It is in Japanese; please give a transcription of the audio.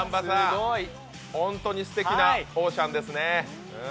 本当にすてきなオーシャンですね。